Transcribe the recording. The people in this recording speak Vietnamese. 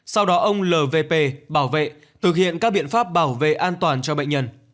sau đó ông lvp bảo vệ thực hiện các biện pháp bảo vệ an toàn cho bệnh nhân